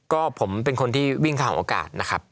ก็ผมเป็นคนที่วิ่งเข้าหาโอกาสนะครับ